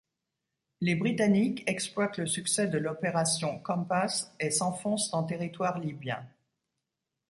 Les britannique exploitent le succès de l'opération Compass et s'enfoncent en territoire libyen.